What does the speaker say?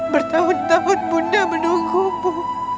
bertahun tahun bunda menunggumu